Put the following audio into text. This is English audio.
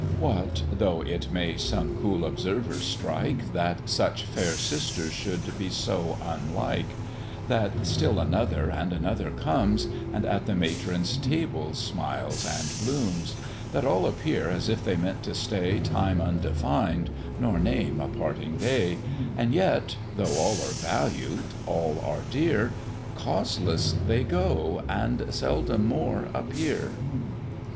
What, though it may some cool observers strike, That such fair sisters should be so unlike; That still another and another comes, And at the matron's tables smiles and blooms; That all appear as if they meant to stay Time undefined, nor name a parting day; And yet, though all are valued, all are dear, Causeless, they go, and seldom more appear.